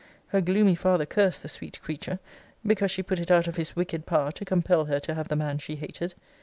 Her gloomy father cursed the sweet creature, because she put it out of his wicked power to compel her to have the man she hated.